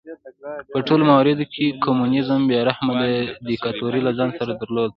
په ټولو مواردو کې کمونېزم بې رحمه دیکتاتورۍ له ځان سره درلود.